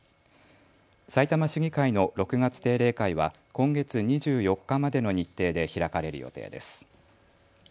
さいたま市議会の６月定例会は今月２４日までの日程で開かれる予定です。